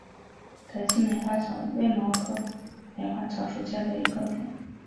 德钦梅花草为卫矛科梅花草属下的一个种。